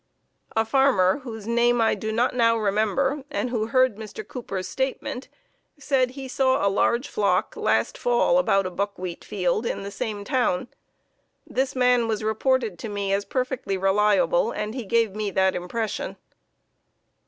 A farmer, whose name I do not now remember and who heard Mr. Cooper's statement, said he saw a large flock last fall about a buckwheat field, in the same town. This man was reported to me as perfectly reliable, and he gave me that impression.